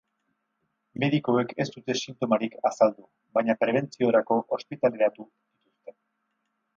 Medikuek ez dute sintomarik azaldu, baina prebentziorako ospitaleratu dituzte.